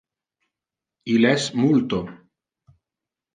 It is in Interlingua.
Il es multo.